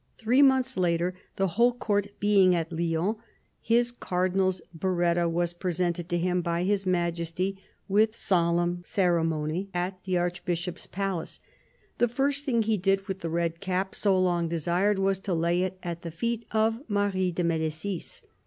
Three months later, the whole Court being at Lyons, his cardinal's biretta was presented to him by His Majesty with solemn 131 132 CARDINAL DE RICHELIEU ceremony at the Archbishop's palace. The first thing he did with the red cap so long desired was to lay it at the feet of Marie de Medicis.